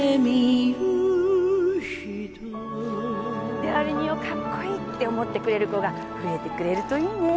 料理人をかっこいいって思ってくれる子が増えてくれるといいねえ